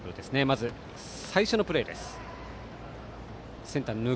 まず最初のプレーです。